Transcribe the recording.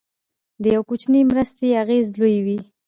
د یو کوچنۍ مرستې اغېز لوی وي.